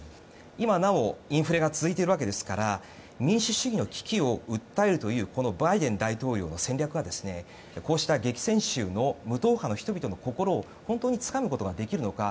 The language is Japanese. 今なお、インフレが続いているわけですから民主主義の危機を訴えるというバイデン大統領の戦略が、こうした激戦州の無党派の人々の心を本当につかむことができるのか。